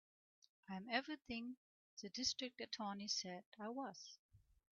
I'm everything the District Attorney said I was.